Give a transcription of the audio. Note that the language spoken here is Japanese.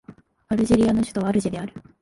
アルジェリアの首都はアルジェである